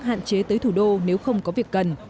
hạn chế tới thủ đô nếu không có việc cần